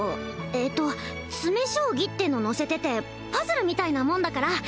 えっと詰将棋っての載せててパズルみたいなもんだから